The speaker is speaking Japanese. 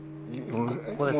ここですね。